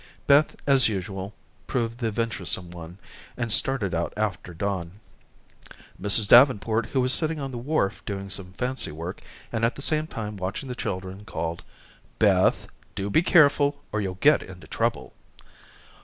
Beth as usual proved the venturesome one, and started out after Don. Mrs. Davenport, who was sitting on the wharf doing some fancy work and at the same time watching the children, called: "Beth, do be careful or you'll get into trouble."